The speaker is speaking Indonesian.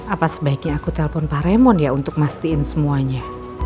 apa sebaiknya aku telpon pak remon ya untuk mastiin semuanya